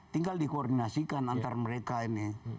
tinggal di koordinasikan antara mereka ini